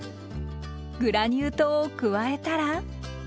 グラニュー糖を加えたら。